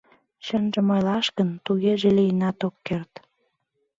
Чынжым ойлаш гын, тугеже лийынат ок керт.